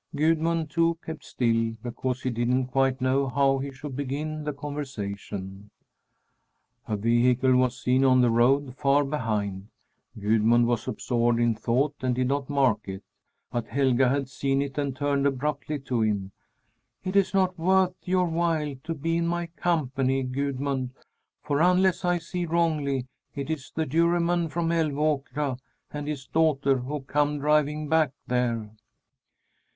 Gudmund, too, kept still because he didn't quite know how he should begin the conversation. A vehicle was seen on the road, far behind. Gudmund was absorbed in thought and did not mark it, but Helga had seen it and turned abruptly to him: "It is not worth your while to be in my company, Gudmund, for, unless I see wrongly, it is the Juryman from Älvåkra and his daughter who come driving back there."